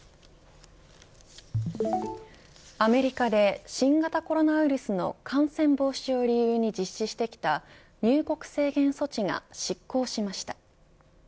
アメリカで新型コロナウイルスの感染防止を理由に実施してきた入国制限措置が失効しました。